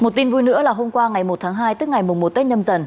một tin vui nữa là hôm qua ngày một tháng hai tức ngày mùng một tết nhâm dần